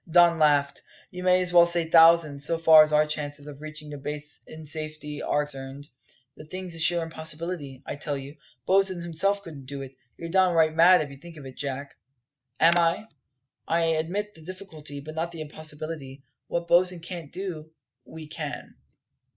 Don laughed. "You may as well say thousands, so far as our chances of reaching the base in safety are concerned.. The thing's a sheer impossibility, I tell you; Bosin himself couldn't do it. You're downright mad to think of it, Jack." "Am I? I admit the difficulty, but not the impossibility. What Bosin can't do, we can."